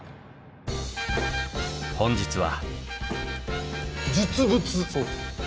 本日は。